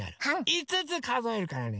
５つかぞえるからね